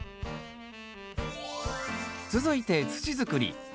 続いて土づくり。